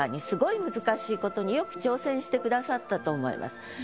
すごい難しいことによく挑戦してくださったと思います。